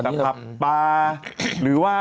แต่ผับปลาหรือว่า